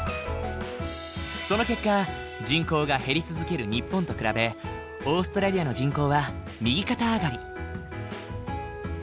その結果人口が減り続ける日本と比べオーストラリアの人口は右肩上がり。